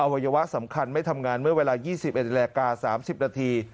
วัยวะสำคัญไม่ทำงานเมื่อเวลา๒๑นาฬิกา๓๐นาที